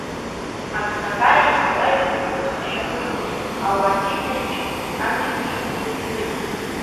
Аԥсабареи ауааи еиҟәыҭхашьа рымам, ауаагьы ҭынчым, адгьылгьы гәынқьуеит.